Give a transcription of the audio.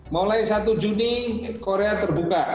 mulai satu juni korea terbuka